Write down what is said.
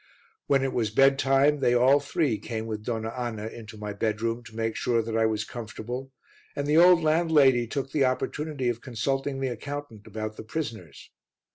When it was bedtime, they all three came with Donna Anna into my bedroom to make sure that I was comfortable and the old landlady took the opportunity of consulting the accountant about the prisoners.